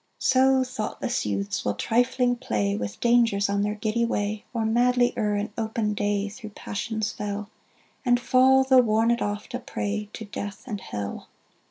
So thoughtless youths will trifling play With dangers on their giddy way, Or madly err in open day Through passions fell, And fall, though warned oft, a prey To death and hell!